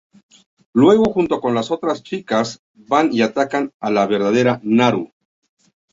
Luego junto con las otras chicas van y atacan a la verdadera Naru.